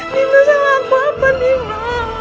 nino salah aku apa nino